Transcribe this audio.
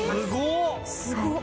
すごっ！